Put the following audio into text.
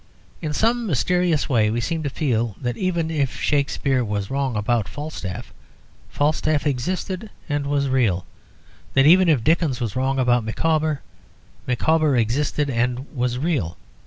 In some mysterious way we seem to feel that even if Shakespeare was wrong about Falstaff, Falstaff existed and was real; that even if Dickens was wrong about Micawber, Micawber existed and was real.